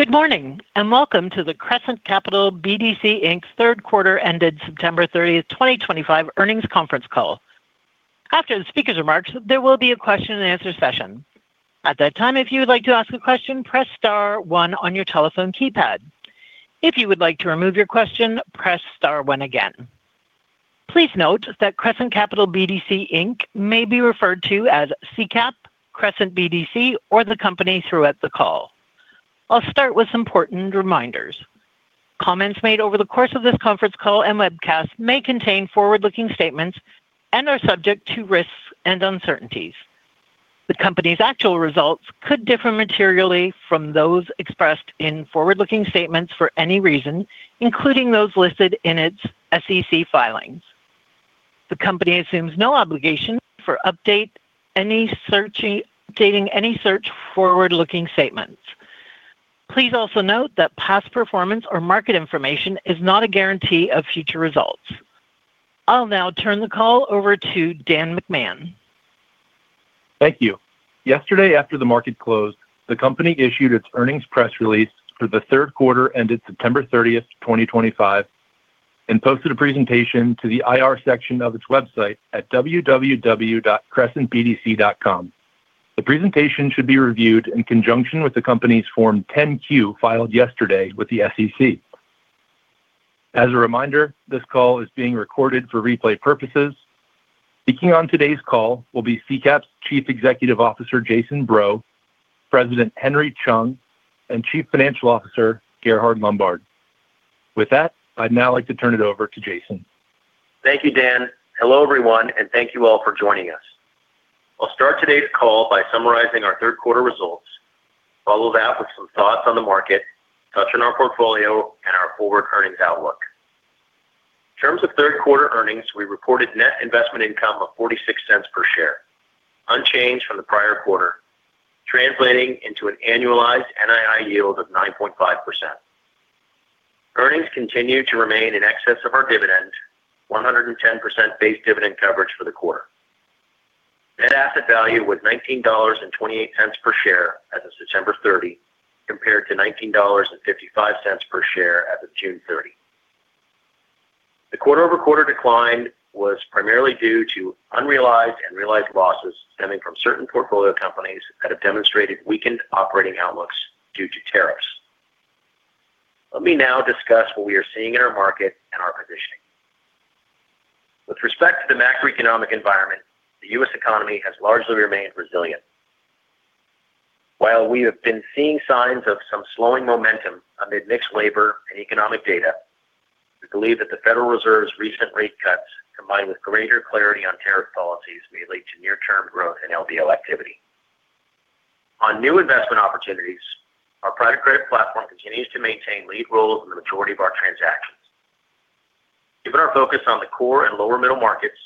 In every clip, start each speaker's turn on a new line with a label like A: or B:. A: Good morning and welcome to the Crescent Capital BDC, Inc's Third Quarter ended September 30th, 2025 Earnings Conference Call. After the speakers are marked, there will be a question and answer session. At that time, if you would like to ask a question, press star one on your telephone keypad. If you would like to remove your question, press star one again. Please note that Crescent Capital BDC, Inc. may be referred to as CCAP, Crescent BDC, or the company throughout the call. I'll start with important reminders. Comments made over the course of this conference call and webcast may contain forward-looking statements and are subject to risks and uncertainties. The company's actual results could differ materially from those expressed in forward-looking statements for any reason, including those listed in its SEC filings. The company assumes no obligation for updating any such forward-looking statements. Please also note that past performance or market information is not a guarantee of future results. I'll now turn the call over to Dan McMahon.
B: Thank you. Yesterday, after the market closed, the company issued its earnings press release for the third quarter ended September 30th, 2025, and posted a presentation to the IR section of its website at www.crescentbdc.com. The presentation should be reviewed in conjunction with the company's Form 10-Q filed yesterday with the SEC. As a reminder, this call is being recorded for replay purposes. Speaking on today's call will be CCAP's Chief Executive Officer Jason Breaux, President Henry Chung, and Chief Financial Officer Gerhard Lombard. With that, I'd now like to turn it over to Jason.
C: Thank you, Dan. Hello, everyone, and thank you all for joining us. I'll start today's call by summarizing our third quarter results, follow that with some thoughts on the market, touch on our portfolio, and our forward earnings outlook. In terms of third quarter earnings, we reported net investment income of $0.46 per share, unchanged from the prior quarter, translating into an annualized NII yield of 9.5%. Earnings continue to remain in excess of our dividend, 110% base dividend coverage for the quarter. Net asset value was $19.28 per share as of September 30th, compared to $19.55 per share as of June 30th. The quarter-over-quarter decline was primarily due to unrealized and realized losses stemming from certain portfolio companies that have demonstrated weakened operating outlooks due to tariffs. Let me now discuss what we are seeing in our market and our positioning. With respect to the macroeconomic environment, the U.S. economy has largely remained resilient. While we have been seeing signs of some slowing momentum amid mixed labor and economic data, we believe that the Federal Reserve's recent rate cuts, combined with greater clarity on tariff policies, may lead to near-term growth in LBO activity. On new investment opportunities, our private credit platform continues to maintain lead roles in the majority of our transactions. Given our focus on the core and lower middle markets,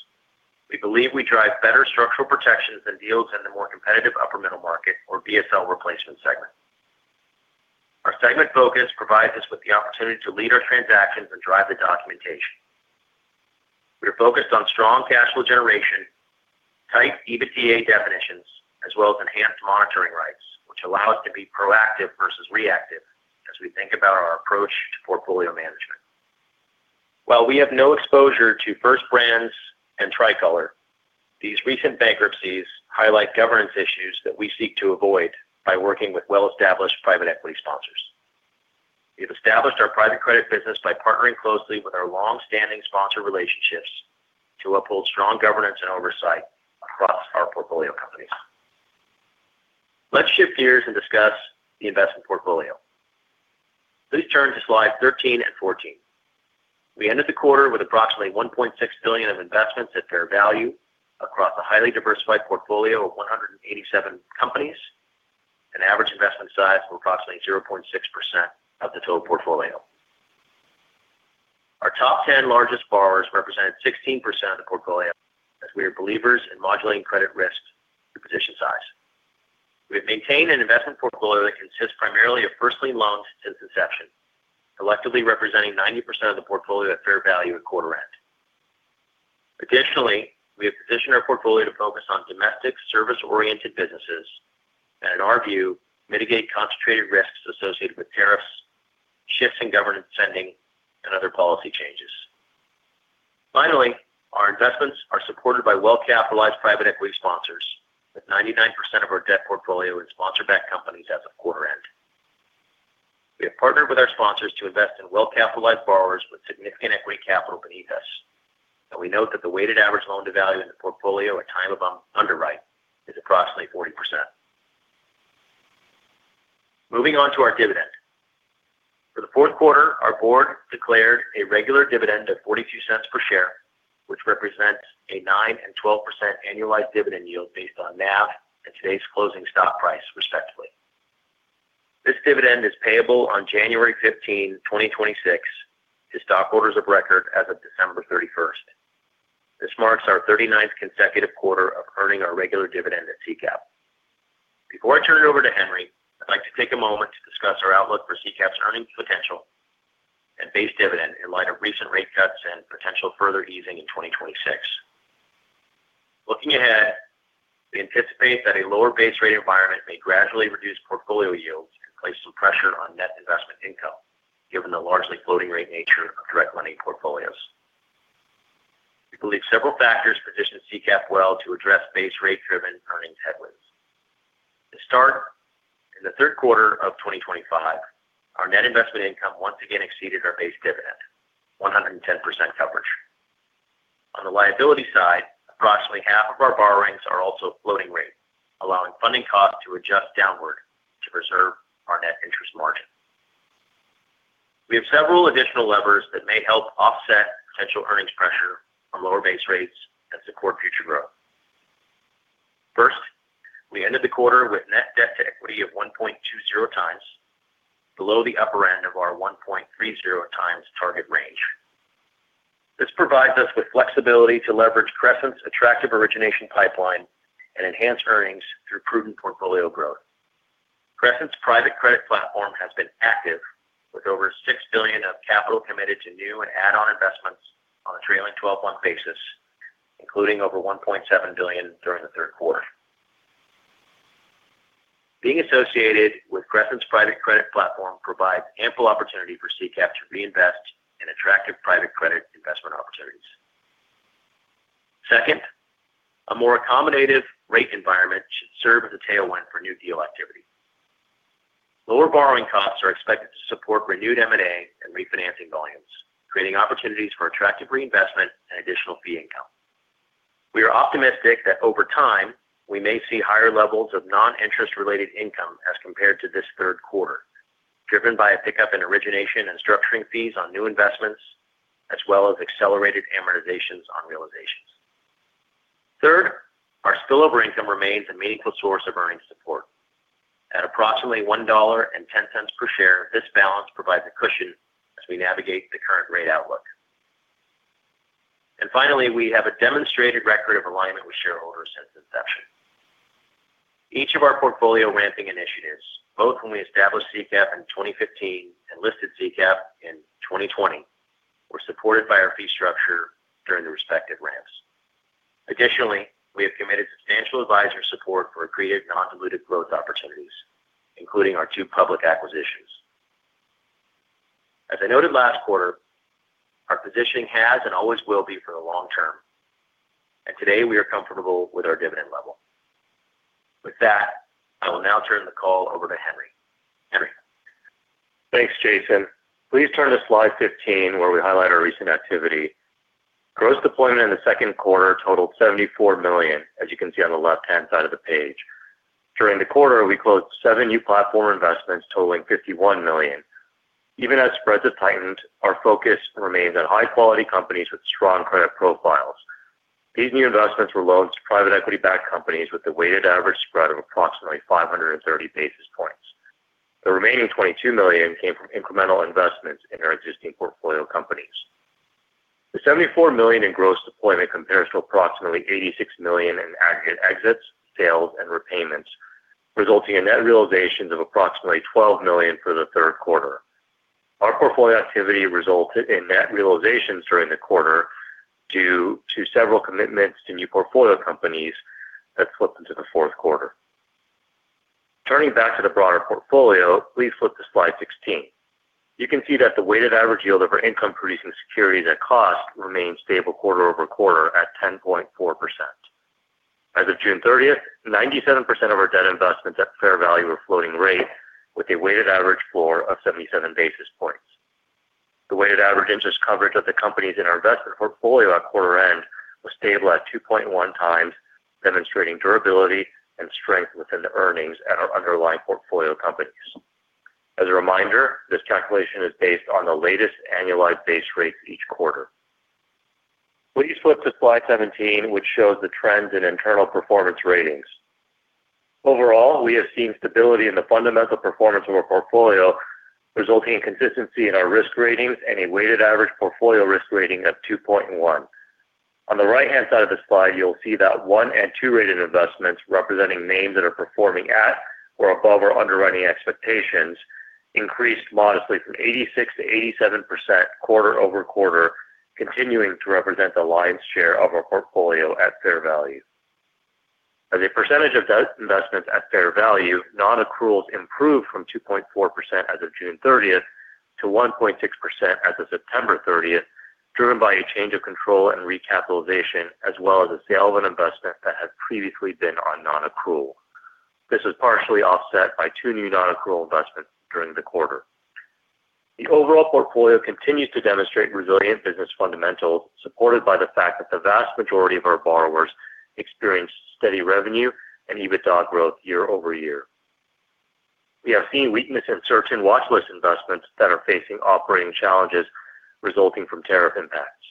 C: we believe we drive better structural protections than deals in the more competitive Upper Middle Market, or BSL Replacement Segment. Our segment focus provides us with the opportunity to lead our transactions and drive the documentation. We are focused on strong cash flow generation, tight EBITDA definitions, as well as enhanced monitoring rights, which allow us to be proactive versus reactive as we think about our approach to portfolio management. While we have no exposure to First Brands and Tricolor, these recent bankruptcies highlight governance issues that we seek to avoid by working with well-established private equity sponsors. We have established our private credit business by partnering closely with our long-standing sponsor relationships to uphold strong governance and oversight across our portfolio companies. Let's shift gears and discuss the investment portfolio. Please turn to slides 13 and 14. We ended the quarter with approximately $1.6 billion of investments at fair value across a highly diversified portfolio of 187 companies, an average investment size of approximately 0.6% of the total portfolio. Our top 10 largest borrowers represented 16% of the portfolio, as we are believers in modulating credit risk through position size. We have maintained an investment portfolio that consists primarily of first-lien loans since inception, collectively representing 90% of the portfolio at fair value at quarter end. Additionally, we have positioned our portfolio to focus on domestic service-oriented businesses and, in our view, mitigate concentrated risks associated with tariffs, shifts in government spending, and other policy changes. Finally, our investments are supported by well-capitalized private equity sponsors, with 99% of our debt portfolio in sponsor-backed companies as of quarter end. We have partnered with our sponsors to invest in well-capitalized borrowers with significant equity capital beneath us, and we note that the weighted average loan to value in the portfolio at time of underwrite is approximately 40%. Moving on to our dividend. For the fourth quarter, our board declared a regular dividend of $0.42 per share, which represents a 9% and 12% annualized dividend yield based on NAV and today's closing stock price, respectively. This dividend is payable on January 15th, 2026, to stockholders of record as of December 31st. This marks our 39th consecutive quarter of earning our regular dividend at CCAP. Before I turn it over to Henry, I'd like to take a moment to discuss our outlook for CCAP's earnings potential and base dividend in light of recent rate cuts and potential further easing in 2026. Looking ahead, we anticipate that a lower base rate environment may gradually reduce portfolio yields and place some pressure on net investment income, given the largely floating rate nature of direct lending portfolios. We believe several factors position CCAP well to address base rate-driven earnings headwinds. To start, in the third quarter of 2025, our net investment income once again exceeded our base dividend, 110% coverage. On the liability side, approximately half of our borrowings are also floating rate, allowing funding costs to adjust downward to preserve our net interest margin. We have several additional levers that may help offset potential earnings pressure from lower base rates and support future growth. First, we ended the quarter with net debt to equity of 1.20x, below the upper end of our 1.30x target range. This provides us with flexibility to leverage Crescent's attractive origination pipeline and enhance earnings through prudent portfolio growth. Crescent's private credit platform has been active, with over $6 billion of capital committed to new and add-on investments on a trailing 12-month basis, including over $1.7 billion during the third quarter. Being associated with Crescent's private credit platform provides ample opportunity for CCAP to reinvest in attractive private credit investment opportunities. Second, a more accommodative rate environment should serve as a tailwind for new deal activity. Lower borrowing costs are expected to support renewed M&A and refinancing volumes, creating opportunities for attractive reinvestment and additional fee income. We are optimistic that over time, we may see higher levels of non-interest-related income as compared to this third quarter, driven by a pickup in origination and structuring fees on new investments, as well as accelerated amortizations on realizations. Third, our spillover income remains a meaningful source of earnings support. At approximately $1.10 per share, this balance provides a cushion as we navigate the current rate outlook. Finally, we have a demonstrated record of alignment with shareholders since inception. Each of our portfolio ramping initiatives, both when we established CCAP in 2015 and listed CCAP in 2020, were supported by our fee structure during the respective ramps. Additionally, we have committed substantial advisor support for accretive non-dilutive growth opportunities, including our two public acquisitions. As I noted last quarter, our positioning has and always will be for the long term, and today we are comfortable with our dividend level. With that, I will now turn the call over to Henry. Henry?
D: Thanks, Jason. Please turn to slide 15, where we highlight our recent activity. Gross deployment in the second quarter totaled $74 million, as you can see on the left-hand side of the page. During the quarter, we closed seven new platform investments totaling $51 million. Even as spreads have tightened, our focus remains on high-quality companies with strong credit profiles. These new investments were loans to private equity-backed companies with a weighted average spread of approximately 530 basis points. The remaining $22 million came from incremental investments in our existing portfolio companies. The $74 million in gross deployment compares to approximately $86 million in aggregate exits, sales, and repayments, resulting in net realizations of approximately $12 million for the third quarter. Our portfolio activity resulted in net realizations during the quarter due to several commitments to new portfolio companies that slipped into the fourth quarter. Turning back to the broader portfolio, please flip to slide 16. You can see that the weighted average yield of our income-producing securities at cost remained stable quarter-over-quarter at 10.4%. As of June 30th, 97% of our debt investments at fair value are floating rate, with a weighted average floor of 77 basis points. The weighted average interest coverage of the companies in our investment portfolio at quarter end was stable at 2.1x, demonstrating durability and strength within the earnings at our underlying portfolio companies. As a reminder, this calculation is based on the latest annualized base rates each quarter. Please flip to slide 17, which shows the trends in internal performance ratings. Overall, we have seen stability in the fundamental performance of our portfolio, resulting in consistency in our risk ratings and a weighted average portfolio risk rating of 2.1. On the right-hand side of the slide, you'll see that one and two-rated investments representing names that are performing at or above our underwriting expectations increased modestly from 86% to 87% quarter-over-quarter, continuing to represent the lion's share of our portfolio at fair value. As a percentage of investments at fair value, non-accruals improved from 2.4% as of June 30th to 1.6% as of September 30th, driven by a change of control and recapitalization, as well as a sale of an investment that had previously been on non-accrual. This was partially offset by two new non-accrual investments during the quarter. The overall portfolio continues to demonstrate resilient business fundamentals, supported by the fact that the vast majority of our borrowers experience steady revenue and EBITDA growth year-over-year. We have seen weakness in certain watchlist investments that are facing operating challenges resulting from tariff impacts.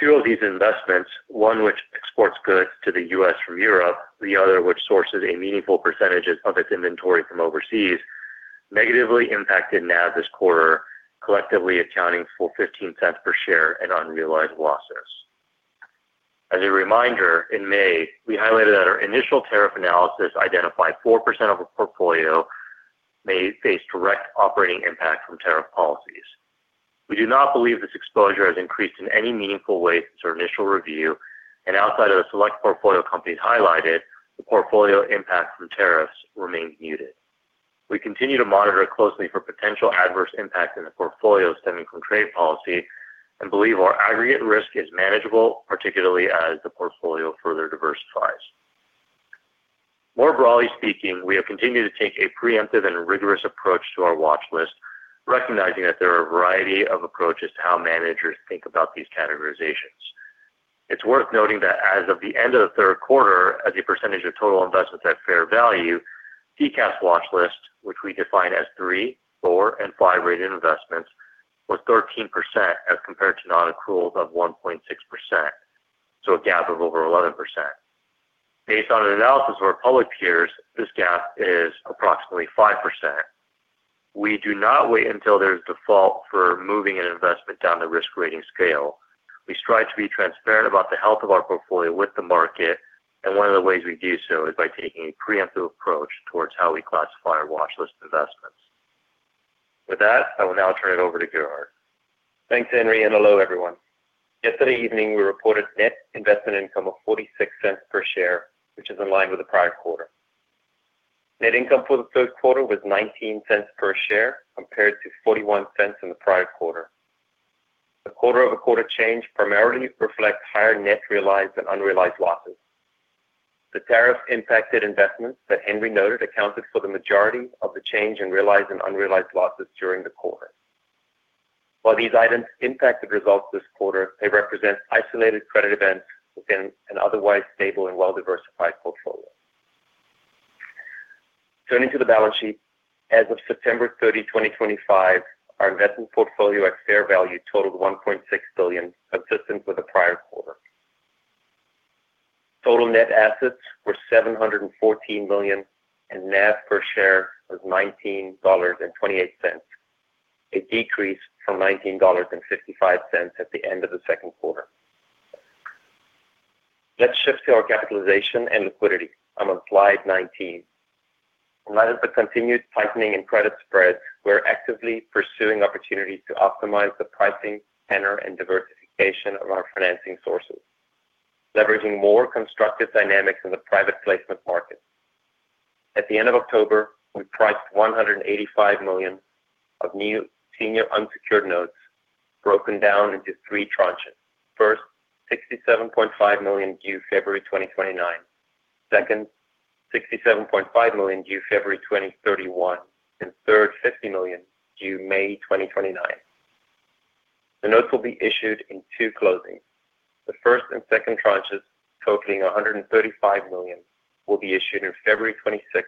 D: Two of these investments, one which exports goods to the U.S. from Europe, the other which sources a meaningful percentage of its inventory from overseas, negatively impacted NAV this quarter, collectively accounting for $0.15 per share in unrealized losses. As a reminder, in May, we highlighted that our initial tariff analysis identified 4% of our portfolio may face direct operating impact from tariff policies. We do not believe this exposure has increased in any meaningful way since our initial review, and outside of the select portfolio companies highlighted, the portfolio impact from tariffs remains muted. We continue to monitor closely for potential adverse impact in the portfolio stemming from trade policy and believe our aggregate risk is manageable, particularly as the portfolio further diversifies. More broadly speaking, we have continued to take a preemptive and rigorous approach to our watchlist, recognizing that there are a variety of approaches to how managers think about these categorizations. It's worth noting that as of the end of the third quarter, as a percentage of total investments at fair value, CCAP's watchlist, which we define as three, four, and five-rated investments, was 13% as compared to non-accruals of 1.6%, so a gap of over 11%. Based on an analysis of our public peers, this gap is approximately 5%. We do not wait until there is default for moving an investment down the risk-rating scale. We strive to be transparent about the health of our portfolio with the market, and one of the ways we do so is by taking a preemptive approach towards how we classify our watchlist investments. With that, I will now turn it over to Gerhard.
E: Thanks, Henry, and hello, everyone. Yesterday evening, we reported net investment income of $0.46 per share, which is in line with the prior quarter. Net income for the third quarter was $0.19 per share compared to $0.41 in the prior quarter. The quarter-over-quarter change primarily reflects higher net realized and unrealized losses. The tariff-impacted investments that Henry noted accounted for the majority of the change in realized and unrealized losses during the quarter. While these items impacted results this quarter, they represent isolated credit events within an otherwise stable and well-diversified portfolio. Turning to the balance sheet, as of September 30th, 2025, our investment portfolio at fair value totaled $1.6 billion, consistent with the prior quarter. Total net assets were $714 million, and NAV per share was $19.28, a decrease from $19.55 at the end of the second quarter. Let's shift to our capitalization and liquidity. I'm on slide 19. In light of the continued tightening in credit spreads, we are actively pursuing opportunities to optimize the pricing, tenor, and diversification of our financing sources, leveraging more constructive dynamics in the private placement market. At the end of October, we priced $185 million of new senior unsecured notes, broken down into three tranches. First, $67.5 million due February 2029. Second, $67.5 million due February 2031. Third, $50 million due May 2029. The notes will be issued in two closings. The first and second tranches, totaling $135 million, will be issued on February 26th,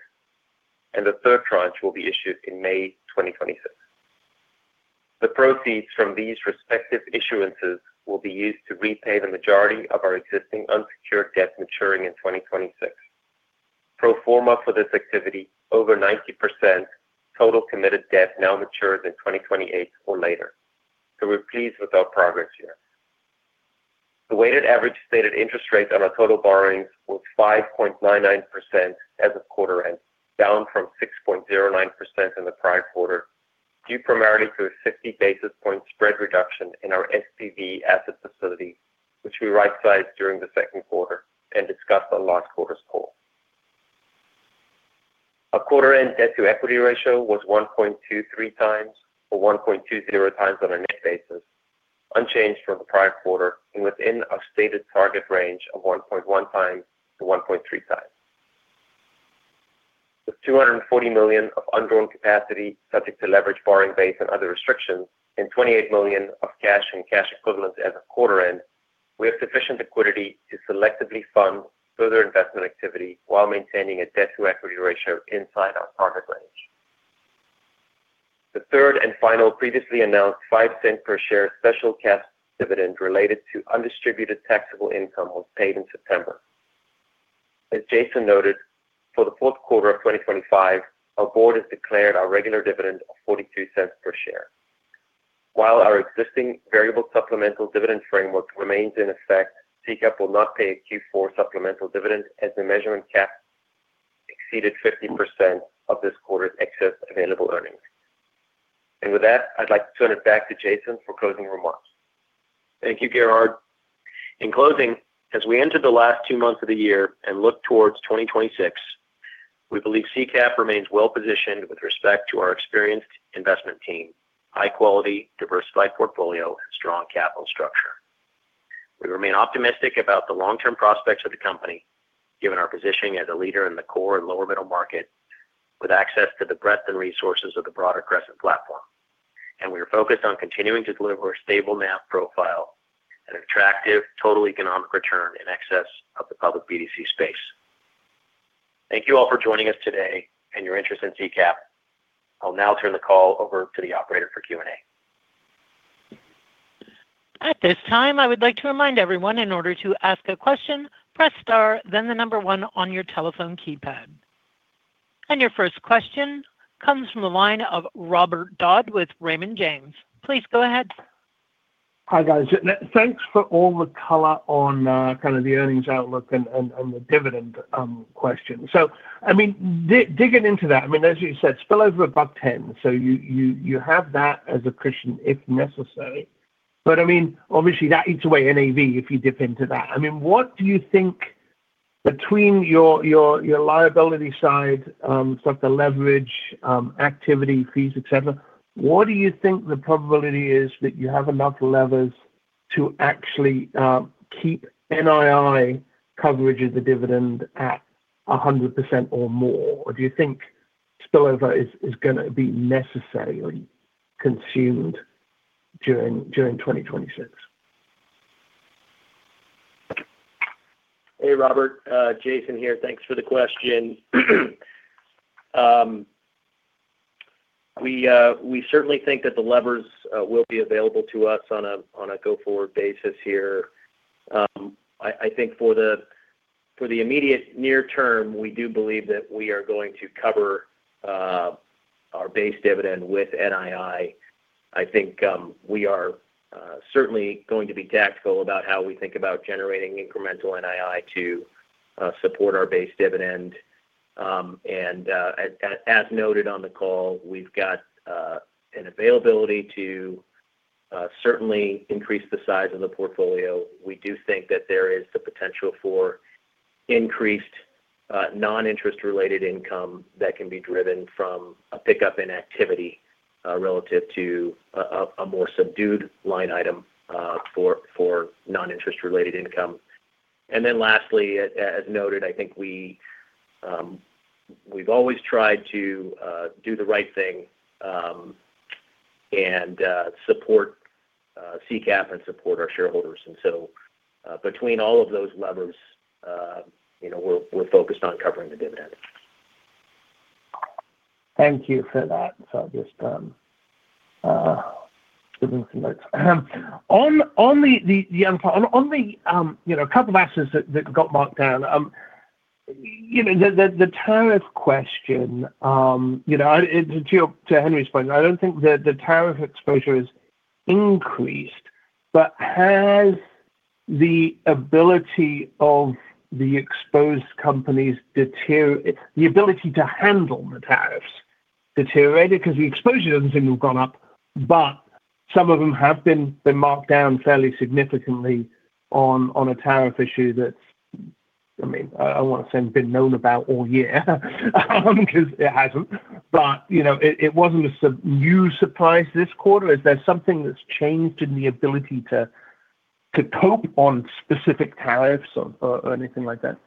E: and the third tranche will be issued in May 2026. The proceeds from these respective issuances will be used to repay the majority of our existing unsecured debt maturing in 2026. Pro forma for this activity, over 90% total committed debt now matures in 2028 or later. We are pleased with our progress here. The weighted average stated interest rate on our total borrowings was 5.99% as of quarter end, down from 6.09% in the prior quarter, due primarily to a 50 basis point spread reduction in our SPV asset facility, which we right-sized during the second quarter and discussed on last quarter's call. Our quarter-end debt-to-equity ratio was 1.23x or 1.20x on a net basis, unchanged from the prior quarter, and within our stated target range of 1.1x to 1.3x. With $240 million of un-drawn capacity subject to leverage borrowing base and other restrictions, and $28 million of cash and cash equivalents as of quarter end, we have sufficient liquidity to selectively fund further investment activity while maintaining a debt-to-equity ratio inside our target range. The third and final previously announced $0.05 per share special cash dividend related to undistributed taxable income was paid in September. As Jason noted, for the fourth quarter of 2025, our board has declared our regular dividend of $0.42 per share. While our existing variable supplemental dividend framework remains in effect, CCAP will not pay a Q4 supplemental dividend as the measurement cap exceeded 50% of this quarter's excess available earnings. With that, I'd like to turn it back to Jason for closing remarks.
C: Thank you, Gerhard. In closing, as we enter the last two months of the year and look towards 2026, we believe CCAP remains well-positioned with respect to our experienced investment team, high-quality, diversified portfolio, and strong capital structure. We remain optimistic about the long-term prospects of the company, given our positioning as a leader in the core and lower-middle market, with access to the breadth and resources of the broader Crescent platform. We are focused on continuing to deliver a stable NAV profile and attractive total economic return in excess of the public BDC space. Thank you all for joining us today and your interest in CCAP. I'll now turn the call over to the operator for Q&A.
A: At this time, I would like to remind everyone, in order to ask a question, press star, then the number one on your telephone keypad. Your first question comes from the line of Robert Dodd with Raymond James. Please go ahead.
F: Hi, guys. Thanks for all the color on kind of the earnings outlook and the dividend question. I mean, digging into that, I mean, as you said, spillover above a $1.10. You have that as a cushion if necessary. I mean, obviously, that eats away in NAV if you dip into that. I mean, what do you think between your liability side, stock-to-leverage activity, fees, et cetera, what do you think the probability is that you have enough levers to actually keep NII coverage of the dividend at 100% or more? Do you think spillover is going to be necessarily consumed during 2026?
C: Hey, Robert. Jason here. Thanks for the question. We certainly think that the levers will be available to us on a go-forward basis here. I think for the immediate near term, we do believe that we are going to cover our base dividend with NII. I think we are certainly going to be tactical about how we think about generating incremental NII to support our base dividend. As noted on the call, we have got an availability to certainly increase the size of the portfolio. We do think that there is the potential for increased non-interest-related income that can be driven from a pickup in activity relative to a more subdued line item for non-interest-related income. Lastly, as noted, I think we have always tried to do the right thing and support CCAP and support our shareholders. Between all of those levers, we're focused on covering the dividend.
F: Thank you for that. I'm just giving some notes. On the couple of assets that got marked down, the tariff question, to Henry's point, I don't think that the tariff exposure has increased, but has the ability of the exposed companies deteriorated, the ability to handle the tariffs deteriorated? Because the exposure doesn't seem to have gone up, but some of them have been marked down fairly significantly on a tariff issue that's, I mean, I want to say, been known about all year because it hasn't. It was not a new surprise this quarter. Is there something that's changed in the ability to cope on specific tariffs or anything like that?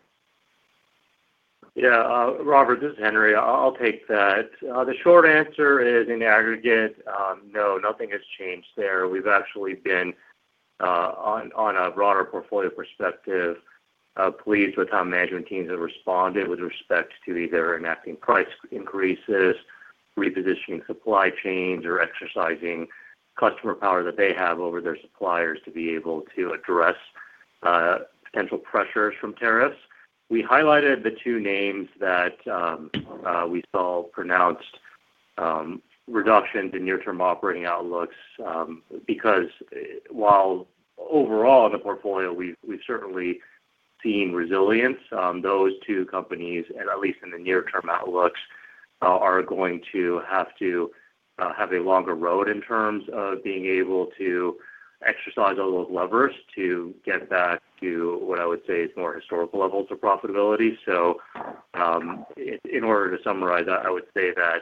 D: Yeah. Robert, this is Henry. I'll take that. The short answer is, in aggregate, no, nothing has changed there. We've actually been, on a broader portfolio perspective, pleased with how management teams have responded with respect to either enacting price increases, repositioning supply chains, or exercising customer power that they have over their suppliers to be able to address potential pressures from tariffs. We highlighted the two names that we saw pronounced reductions in near-term operating outlooks because, while overall in the portfolio, we've certainly seen resilience, those two companies, at least in the near-term outlooks, are going to have to have a longer road in terms of being able to exercise all those levers to get back to what I would say is more historical levels of profitability. In order to summarize that, I would say that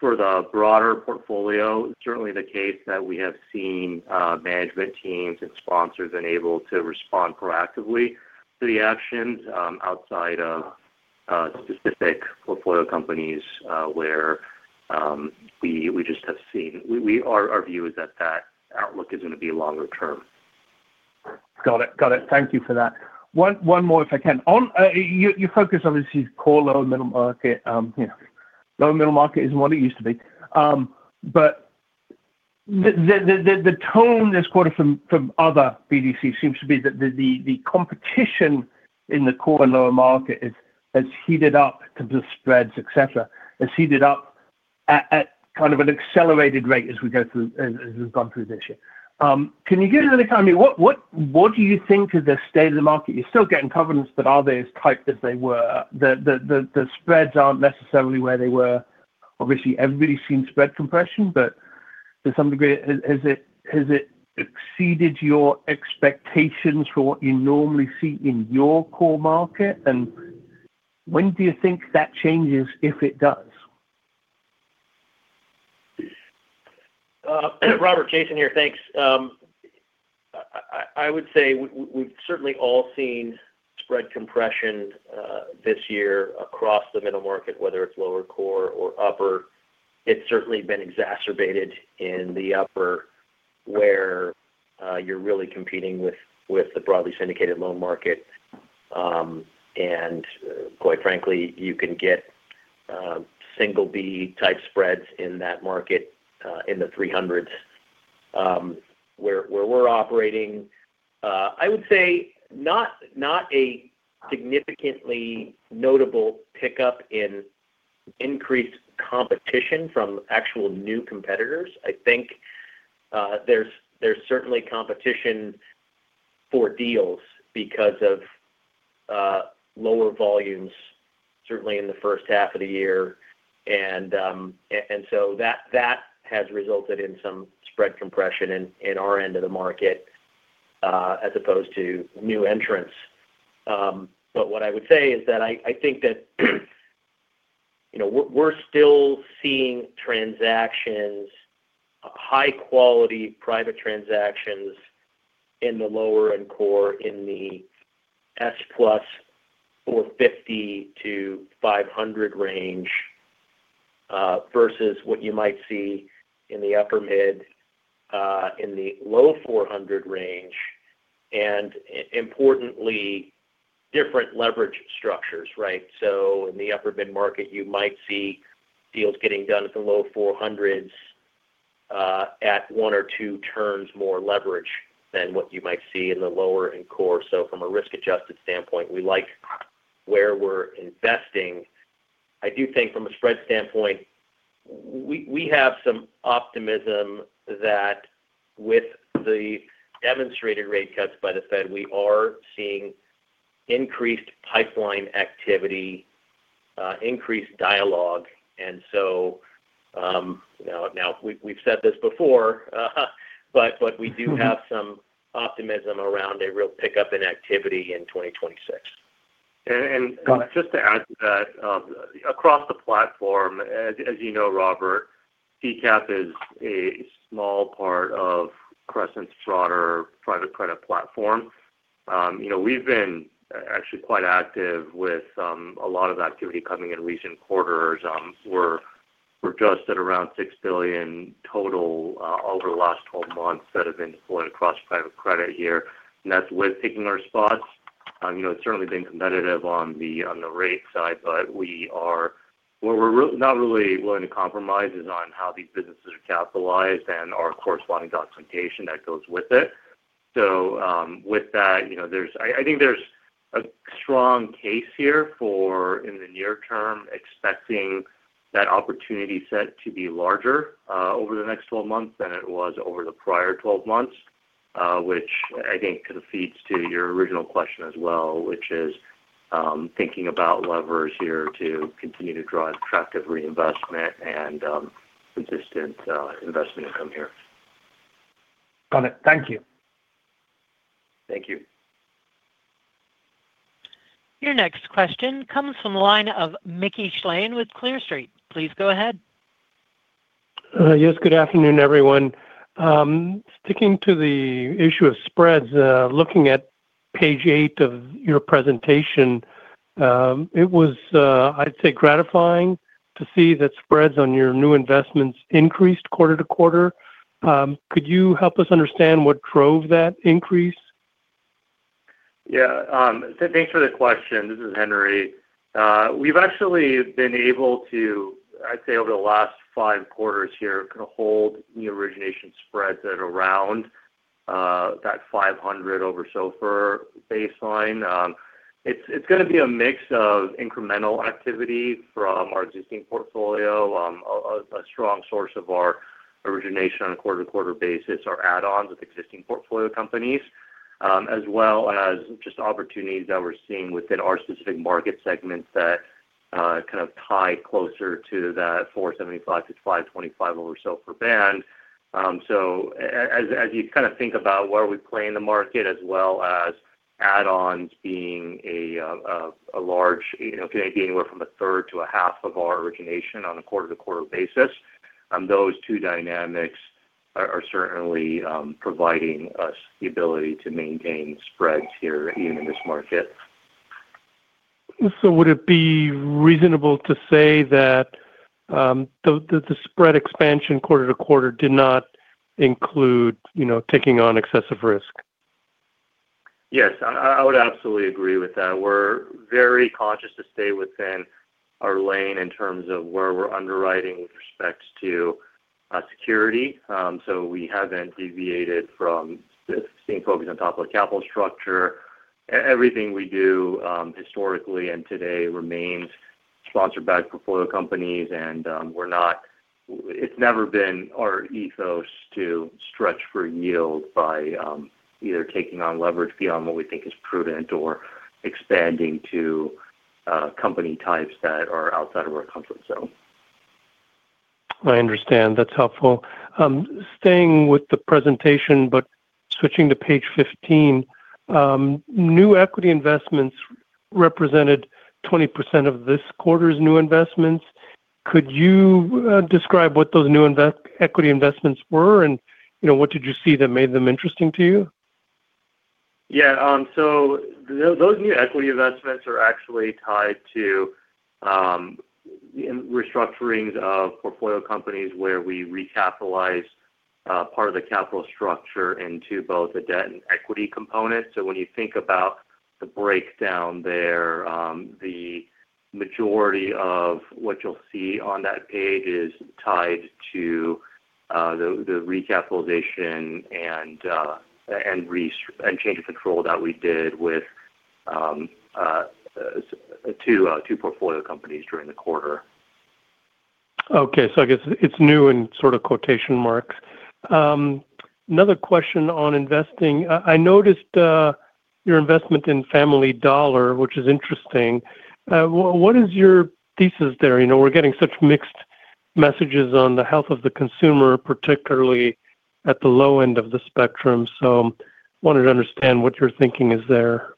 D: for the broader portfolio, it's certainly the case that we have seen management teams and sponsors enabled to respond proactively to the actions outside of specific portfolio companies where we just have seen our view is that that outlook is going to be longer term.
F: Got it. Got it. Thank you for that. One more, if I can. Your focus, obviously, is core lower-middle market. Lower-middle market is not what it used to be. The tone this quarter from other BDC seems to be that the competition in the core and lower market has heated up because of spreads, et cetera, has heated up at kind of an accelerated rate as we have gone through this year. Can you give us an economy? What do you think of the state of the market? You are still getting covenants, but are they as tight as they were? The spreads are not necessarily where they were. Obviously, everybody has seen spread compression, but to some degree, has it exceeded your expectations for what you normally see in your core market? When do you think that changes if it does?
C: Robert, Jason here. Thanks. I would say we've certainly all seen spread compression this year across the middle market, whether it's lower core or upper. It's certainly been exacerbated in the upper where you're really competing with the broadly syndicated loan market. Quite frankly, you can get single-B type spreads in that market in the 300s where we're operating. I would say not a significantly notable pickup in increased competition from actual new competitors. I think there's certainly competition for deals because of lower volumes, certainly in the first half of the year. That has resulted in some spread compression in our end of the market as opposed to new entrants. What I would say is that I think that we're still seeing transactions, high-quality private transactions in the lower-end core in the S+ 450-500 range versus what you might see in the upper-mid in the low 400 range. Importantly, different leverage structures, right? In the upper-mid market, you might see deals getting done at the low 400s at one or two turns more leverage than what you might see in the lower-end core. From a risk-adjusted standpoint, we like where we're investing. I do think from a spread standpoint, we have some optimism that with the demonstrated rate cuts by the Fed, we are seeing increased pipeline activity, increased dialogue. Now, we've said this before, but we do have some optimism around a real pickup in activity in 2026.
D: Just to add to that, across the platform, as you know, Robert, CCAP is a small part of Crescent's broader private credit platform. We've been actually quite active with a lot of activity coming in recent quarters. We're just at around $6 billion total over the last 12 months that have been deployed across private credit here. That's with taking our spots. It has certainly been competitive on the rate side, but we are not really willing to compromise on how these businesses are capitalized and our corresponding documentation that goes with it. I think there is a strong case here for, in the near term, expecting that opportunity set to be larger over the next 12 months than it was over the prior 12 months, which I think kind of feeds to your original question as well, which is thinking about levers here to continue to drive attractive reinvestment and consistent investment income here.
F: Got it. Thank you.
D: Thank you.
A: Your next question comes from the line of Mickey Schleien with Clear Street. Please go ahead.
G: Yes. Good afternoon, everyone. Sticking to the issue of spreads, looking at page eight of your presentation, it was, I'd say, gratifying to see that spreads on your new investments increased quarter to quarter. Could you help us understand what drove that increase?
D: Yeah. Thanks for the question. This is Henry. We've actually been able to, I'd say, over the last five quarters here, kind of hold new origination spreads at around that 500 over SOFR baseline. It's going to be a mix of incremental activity from our existing portfolio, a strong source of our origination on a quarter-to-quarter basis, our add-ons with existing portfolio companies, as well as just opportunities that we're seeing within our specific market segments that kind of tie closer to that 4.75%-5.25% over SOFR band. As you kind of think about where we play in the market, as well as add-ons being a large, it can be anywhere from 1/3 to 1/2 of our origination on a quarter-to-quarter basis and those two dynamics are certainly providing us the ability to maintain spreads here, even in this market.
G: Would it be reasonable to say that the spread expansion quarter to quarter did not include taking on excessive risk?
D: Yes. I would absolutely agree with that. We're very conscious to stay within our lane in terms of where we're underwriting with respect to security. We haven't deviated from staying focused on top of the capital structure. Everything we do historically and today remains sponsored by portfolio companies. It's never been our ethos to stretch for yield by either taking on leverage beyond what we think is prudent or expanding to company types that are outside of our comfort zone.
G: I understand. That's helpful. Staying with the presentation, but switching to page 15, new equity investments represented 20% of this quarter's new investments. Could you describe what those new equity investments were and what did you see that made them interesting to you?
D: Yeah. Those new equity investments are actually tied to restructurings of portfolio companies where we recapitalize part of the capital structure into both a debt and equity component. When you think about the breakdown there, the majority of what you'll see on that page is tied to the recapitalization and change of control that we did with two portfolio companies during the quarter.
G: Okay. So I guess it's new in sort of quotation marks. Another question on investing. I noticed your investment in Family Dollar, which is interesting. What is your thesis there? We're getting such mixed messages on the health of the consumer, particularly at the low end of the spectrum. I wanted to understand what your thinking is there.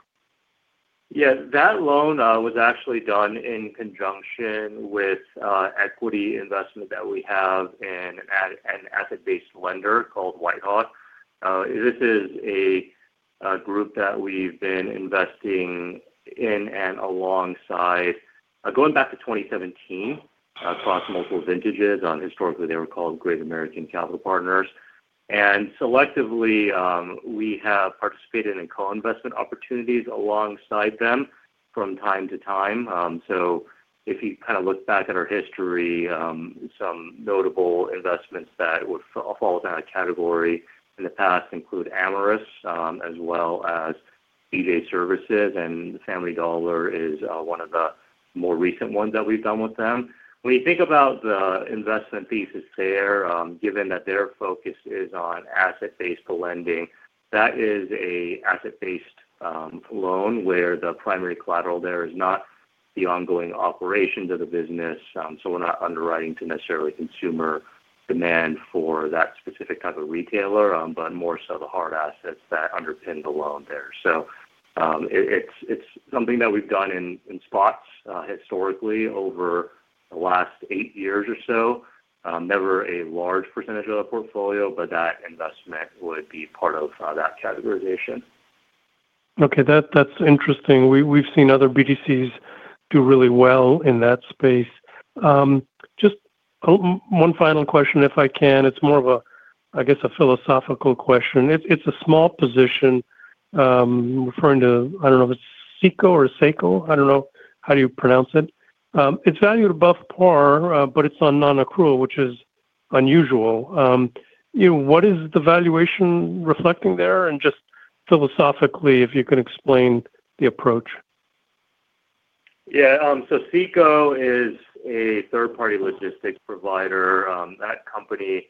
E: Yeah. That loan was actually done in conjunction with equity investment that we have in an asset-based lender called WhiteHawk. This is a group that we've been investing in and alongside going back to 2017 across multiple vintages. Historically, they were called Great American Capital Partners. And selectively, we have participated in co-investment opportunities alongside them from time to time. If you kind of look back at our history, some notable investments that would fall within that category in the past include Amyris as well as BJ Services and the Family Dollar is one of the more recent ones that we've done with them. When you think about the investment thesis there, given that their focus is on asset-based lending, that is an asset-based loan where the primary collateral there is not the ongoing operations of the business. We're not underwriting to necessarily consumer demand for that specific type of retailer, but more so the hard assets that underpin the loan there. It is something that we've done in spots historically over the last eight years or so. Never a large percentage of the portfolio, but that investment would be part of that categorization.
G: Okay. That's interesting. We've seen other BDCs do really well in that space. Just one final question, if I can. It's more of, I guess, a philosophical question. It's a small position referring to, I don't know if it's CECO or CECO. I don't know how do you pronounce it. It's valued above par, but it's on non-accrual, which is unusual. What is the valuation reflecting there? And just philosophically, if you can explain the approach.
D: Yeah. CECO is a third-party logistics provider. That company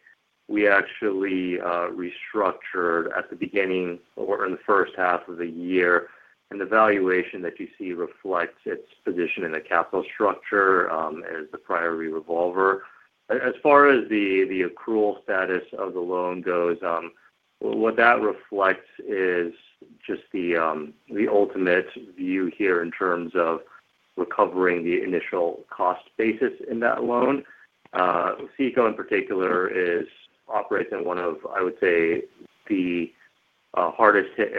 D: we actually restructured at the beginning or in the first half of the year. The valuation that you see reflects its position in the capital structure as the primary revolver. As far as the accrual status of the loan goes, what that reflects is just the ultimate view here in terms of recovering the initial cost basis in that loan. CECO, in particular, operates in one of, I would say, the hardest hit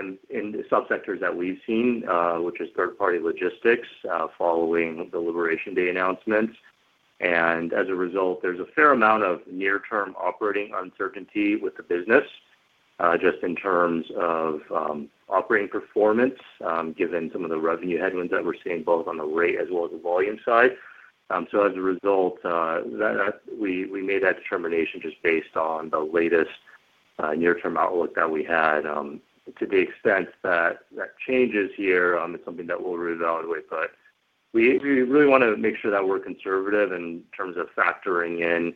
D: subsectors that we've seen, which is third-party logistics following the Liberation Day announcements. As a result, there is a fair amount of near-term operating uncertainty with the business just in terms of operating performance given some of the revenue headwinds that we're seeing both on the rate as well as the volume side. As a result, we made that determination just based on the latest near-term outlook that we had. To the extent that that changes here, it's something that we'll reevaluate. We really want to make sure that we're conservative in terms of factoring in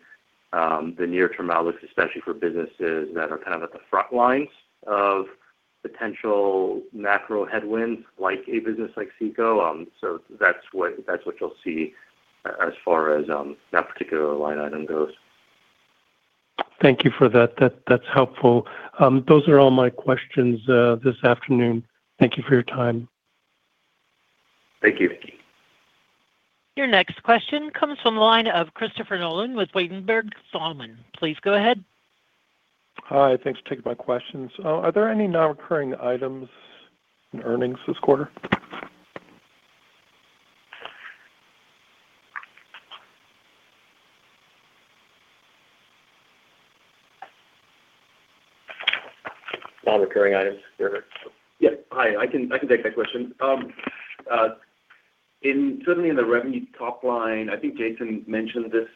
D: the near-term outlooks, especially for businesses that are kind of at the front lines of potential macro headwinds like a business like CECO. That's what you'll see as far as that particular line item goes.
G: Thank you for that. That's helpful. Those are all my questions this afternoon. Thank you for your time.
D: Thank you.
A: Your next question comes from the line of Christopher Nolan with Ladenburg Thalmann. Please go ahead.
H: Hi. Thanks for taking my questions. Are there any non-recurring items in earnings this quarter?
C: Non-recurring items. Gerhard?
E: Yeah. Hi. I can take that question. Certainly in the revenue top line, I think Jason mentioned this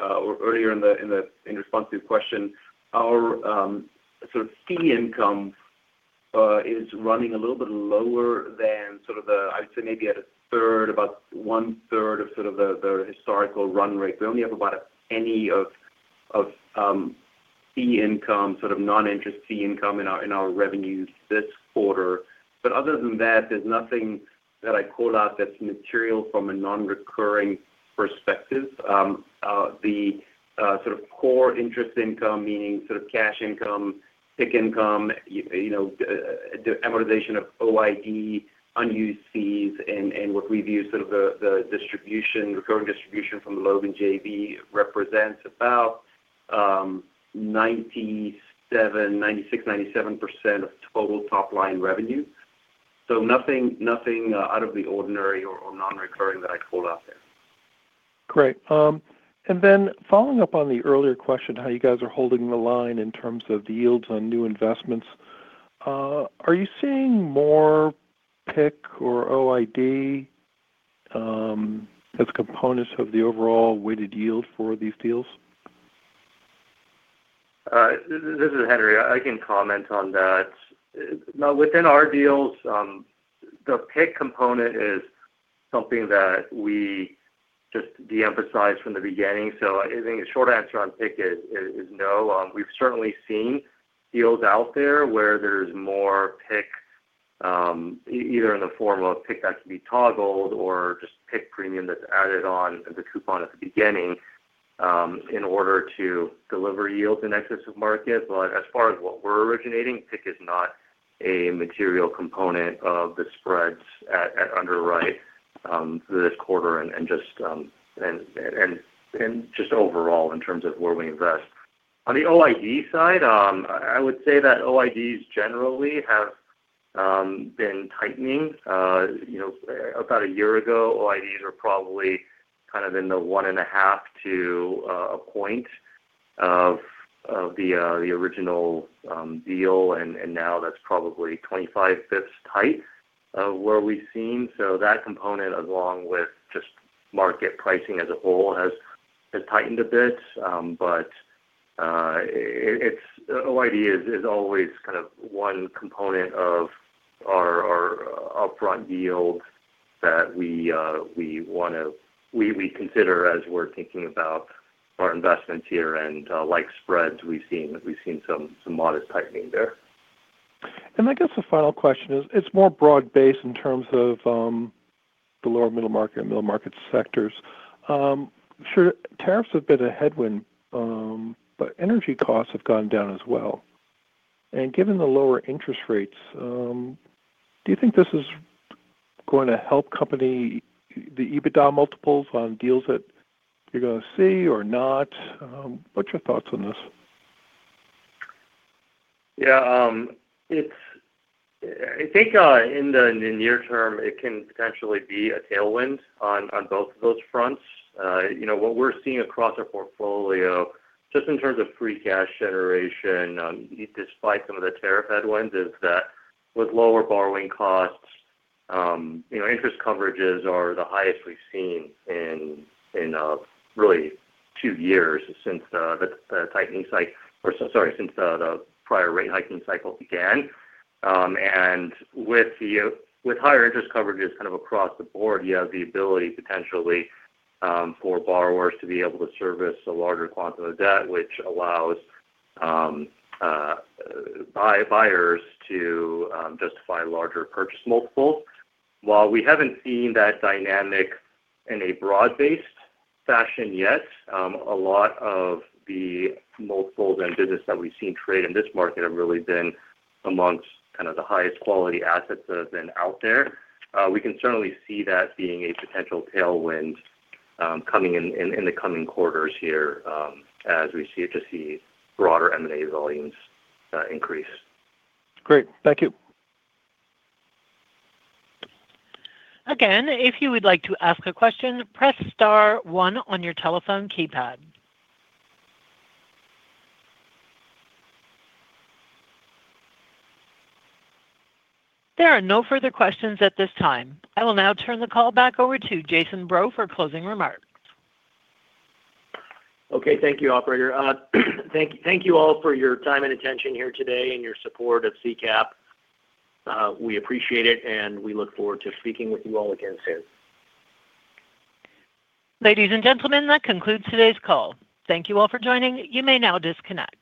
E: earlier in response to your question. Our sort of fee income is running a little bit lower than sort of the, I'd say, maybe at 1/3, about 1/3 of sort of the historical run rate. We only have about a penny of fee income, sort of non-interest fee income in our revenues this quarter. Other than that, there is nothing that I call out that is material from a non-recurring perspective. The sort of core interest income, meaning sort of cash income, PIK income, amortization of OID, unused fees, and what we view as sort of the recurring distribution from the loan in JV represents about 97%, 96%, 97% of total top-line revenue. Nothing out of the ordinary or non-recurring that I call out there.
H: Great. Following up on the earlier question, how you guys are holding the line in terms of the yields on new investments, are you seeing more PIK or OID as components of the overall weighted yield for these deals?
D: This is Henry. I can comment on that. Now, within our deals, the PIK component is something that we just de-emphasized from the beginning. I think a short answer on PIK is no. We've certainly seen deals out there where there's more PIK, either in the form of PIK that can be toggled or just PIK premium that's added on as a coupon at the beginning in order to deliver yields in excess of market. As far as what we're originating, PIK is not a material component of the spreads at underwrite this quarter and just overall in terms of where we invest. On the OID side, I would say that OIDs generally have been tightening. About a year ago, OIDs were probably kind of in the one and a half to a point of the original deal. That is probably 25 basis points tight of where we have seen. That component, along with just market pricing as a whole, has tightened a bit. OID is always kind of one component of our upfront yield that we want to consider as we are thinking about our investments here. Like spreads, we have seen some modest tightening there.
H: I guess the final question is, it's more broad-based in terms of the lower middle market and middle market sectors. Sure, tariffs have been a headwind, but energy costs have gone down as well. Given the lower interest rates, do you think this is going to help the EBITDA multiples on deals that you're going to see or not? What's your thoughts on this?
D: Yeah. I think in the near term, it can potentially be a tailwind on both of those fronts. What we're seeing across our portfolio, just in terms of free cash generation, despite some of the tariff headwinds, is that with lower borrowing costs, interest coverages are the highest we've seen in really two years since the tightening cycle or, sorry, since the prior rate hiking cycle began. With higher interest coverages kind of across the board, you have the ability potentially for borrowers to be able to service a larger quantum of debt, which allows buyers to justify larger purchase multiples. While we haven't seen that dynamic in a broad-based fashion yet, a lot of the multiples and business that we've seen trade in this market have really been amongst kind of the highest quality assets that have been out there. We can certainly see that being a potential tailwind coming in the coming quarters here as we see broader M&A volumes increase.
H: Great. Thank you.
A: Again, if you would like to ask a question, press star one on your telephone keypad. There are no further questions at this time. I will now turn the call back over to Jason Breaux for closing remarks.
C: Okay. Thank you, operator. Thank you all for your time and attention here today and your support of CCAP. We appreciate it, and we look forward to speaking with you all again soon.
A: Ladies and gentlemen, that concludes today's call. Thank you all for joining. You may now disconnect.